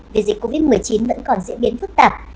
vì dịch covid một mươi chín vẫn còn diễn biến phức tạp